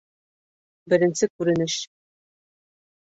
БЕРЕНСЕ КҮРЕНЕШ